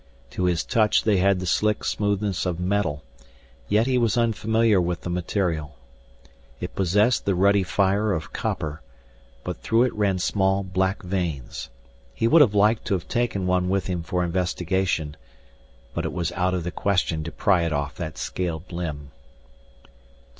To his touch they had the slick smoothness of metal, yet he was unfamiliar with the material. It possessed the ruddy fire of copper, but through it ran small black veins. He would have liked to have taken one with him for investigation, but it was out of the question to pry it off that scaled limb.